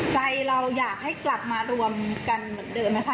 ใจเราอยากให้กลับมารวมกันเหมือนเดิมนะคะ